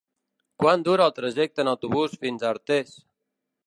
Quant dura el trajecte en autobús fins a Artés?